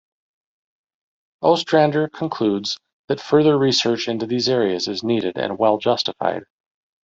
Ostrander concludes that further research into these areas is needed and well justified.